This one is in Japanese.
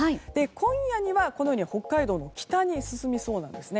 今夜には北海道の北に進むそうなんです。